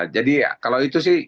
jadi kalau itu sih